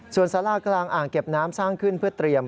ส่วนสารากลางอ่างเก็บน้ำสร้างขึ้นเพื่อเตรียม